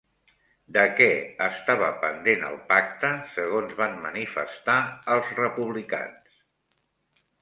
De què estava pendent el pacte segons van manifestar els republicans?